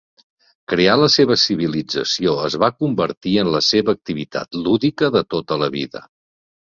Crear la seva civilització es va convertir en la seva activitat lúdica de tota la vida.